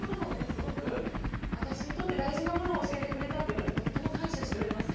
すごく私にとって大事なものを教えてくれたというのでとっても感謝しております。